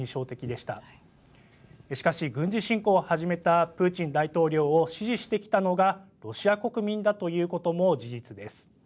しかし、軍事侵攻を始めたプーチン大統領を支持してきたのがロシア国民だということも事実です。